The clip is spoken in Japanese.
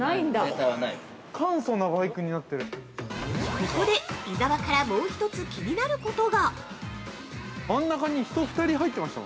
◆ここで、伊沢からもう一つ気になることが◆